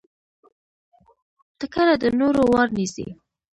تکړه د نورو وار نيسي.